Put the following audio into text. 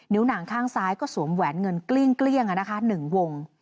หนังข้างซ้ายก็สวมแหวนเงินเกลี้ยง๑วง